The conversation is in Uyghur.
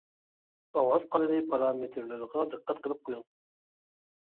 ئاۋاز قانىلى پارامېتىرلىرىغا دىققەت قىلىپ قۇيۇڭ.